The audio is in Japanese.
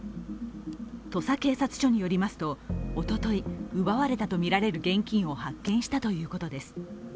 土佐警察署によりますと、おととい奪われたとみられる現金を発見したということです。